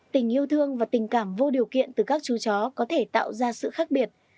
tình yêu thương và tình cảm vô điều kiện từ các chú chó có thể tạo ra sự khác biệt